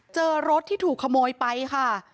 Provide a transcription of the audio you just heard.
เจอรถที่ถูกขโมยไปค่ะ